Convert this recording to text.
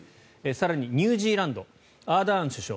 更に、ニュージーランドアーダーン首相